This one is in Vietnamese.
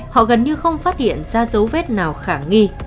họ gần như không phát hiện ra dấu vết nào khả nghi